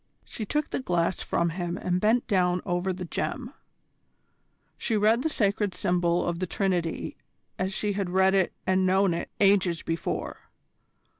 She took the glass from him and bent down over the gem. She read the sacred symbol of the Trinity as she had read it and known it ages before.